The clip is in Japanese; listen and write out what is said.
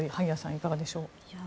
いかがでしょう。